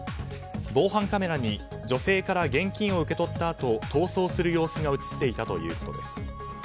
防犯カメラに女性から現金を受け取ったあと逃走する様子が映っていたということです。